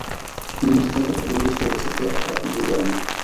Výnosy této odrůdy jsou vysoké a pravidelné.